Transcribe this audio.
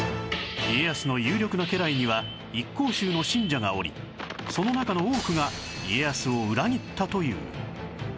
家康の有力な家来には一向宗の信者がおりその中の多くが家康を裏切ったという